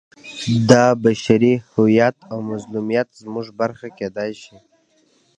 دا بشري هویت او مظلومیت زموږ برخه کېدای شي.